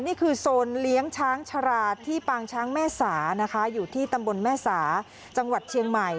นี่คือโซนเลี้ยงช้างชาราที่ปางช้างแม่สานะคะอยู่ที่ตำบลแม่สาจังหวัดเชียงใหม่